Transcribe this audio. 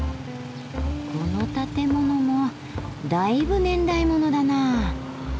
この建物もだいぶ年代物だな。